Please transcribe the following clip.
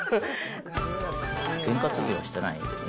ゲン担ぎはしてないですね。